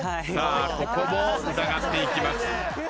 ここも疑っていきます。